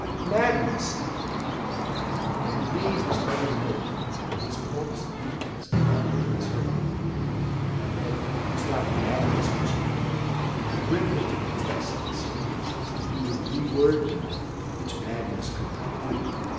"Madness!" echoed Hamlet; and he bade his mother note that his pulse beat as calmly as her own, and that it was not madness which he uttered. Bring him to the test, he said, and he would re word the matter, which madness could not do.